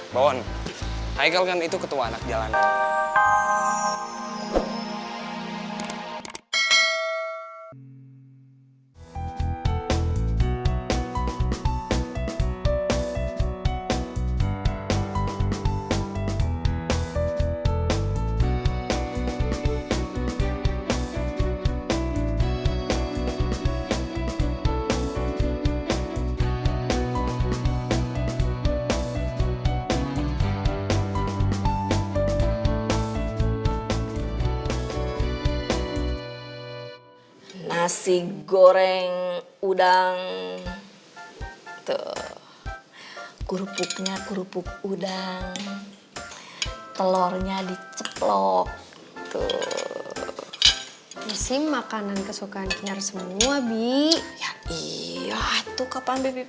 bibi tapi disini aja kan